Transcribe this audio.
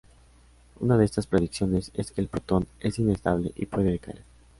Una de estas predicciones es que el protón es inestable y puede decaer.